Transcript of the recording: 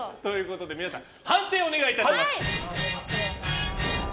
皆さん判定をお願いいたします。